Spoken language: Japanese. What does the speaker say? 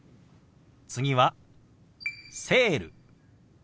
次は「セール」。